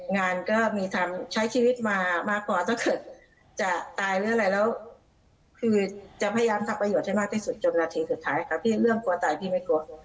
งานก็มีทำใช้ชีวิตมามากพอถ้าเกิดจะตายหรืออะไรแล้วคือจะพยายามทำประโยชน์ให้มากที่สุดจนนาทีสุดท้ายครับพี่เรื่องกลัวตายพี่ไม่กลัว